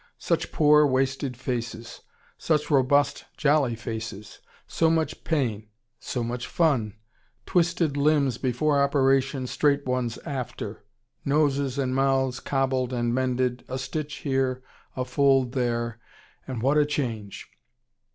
Such poor, wasted faces; such robust, jolly faces; so much pain; so much fun; twisted limbs before operation, straight ones after; noses and mouths cobbled and mended, a stitch here, a fold there, and what a change!